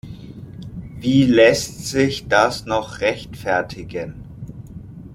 Wie lässt sich das noch rechtfertigen?